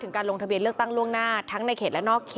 ถึงการลงทะเบียนเลือกตั้งล่วงหน้า